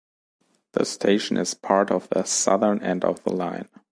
This station is part of the southern end of the line.